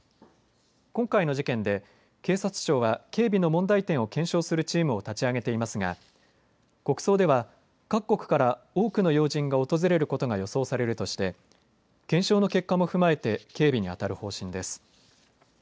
今回の事件で警察庁は警備の問題点を検証するチームを立ち上げていますが国葬では各国から多くの要人が訪れることが予想されるとして検証の結果も踏まえて警備にあたる方針です。